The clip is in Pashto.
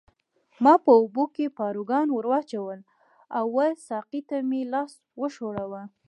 ما په اوبو کې پاروګان ورواچول او وه ساقي ته مې لاس وښوراوه.